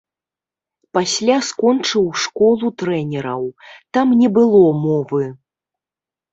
Пасля скончыў школу трэнераў, там не было мовы.